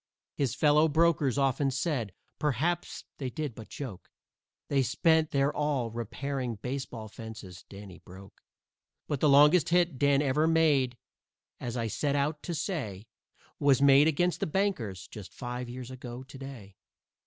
His fellow brokers often said perhaps they did but joke They spent their all repairing baseball fences Danny broke. But the longest hit Dan ever made, as I set out to say, Was made against the Bankers just five years ago to day.